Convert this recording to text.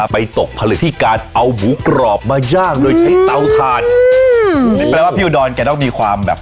ไปตกผลิติการเอาหมูกรอบมาย่างโดยใช้เต๊าถ้านนี่แปลว่าแกต้องมีความแบบ